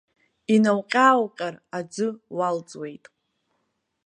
Инауҟьааауҟьар, аӡы уалҵуеит.